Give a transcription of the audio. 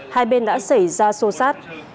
hai bên đã xảy ra xô xát